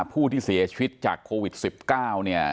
ผู้ที่เสียชีวิตจากโควิด๑๙เนี่ย